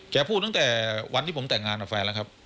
พูดตั้งแต่วันที่ผมแต่งงานกับแฟนแล้วครับ